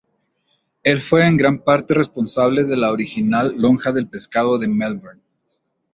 Él fue en gran parte responsable de la original Lonja del Pescado de Melbourne.